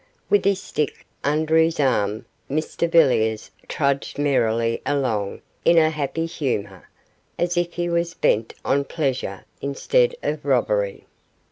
With his stick under his arm, Mr Villiers trudged merrily along in a happy humour, as if he was bent on pleasure instead of robbery.